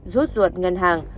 rút ruột ngân hàng